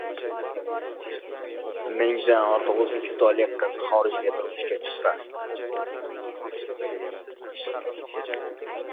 Mingdan ortiq o‘zbekistonlik qiz xorijga turmushga chiqqan